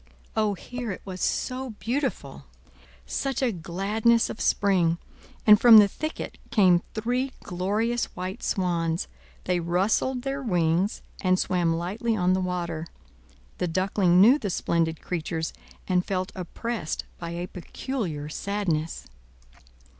Oh, here it was so beautiful, such a gladness of spring! and from the thicket came three glorious white swans; they rustled their wings, and swam lightly on the water. The Duckling knew the splendid creatures, and felt oppressed by a peculiar sadness.